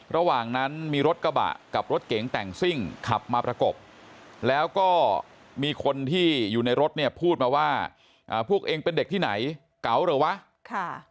ระหว่างนั้นมีรถกระบะกับรถเก๋งแต่งซิ่งขับมาประกบแล้วก็มีคนที่อยู่ในรถเนี่ยพูดมาว่าพวกเองเป็นเด็กที่ไหนเก๋าเหรอวะค่ะ